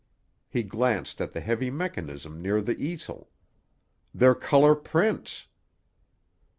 He glanced at the heavy mechanism near the easel. "They're color prints."